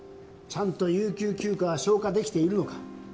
ちゃんと有給休暇は消化できているのか